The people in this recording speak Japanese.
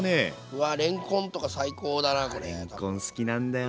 うわれんこんとか最高だなこれ。